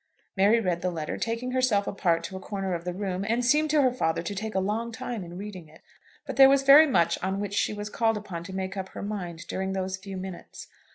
Mary read the letter, taking herself apart to a corner of the room, and seemed to her father to take a long time in reading it. But there was very much on which she was called upon to make up her mind during those few minutes.